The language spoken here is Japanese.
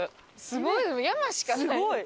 すごい山しかない。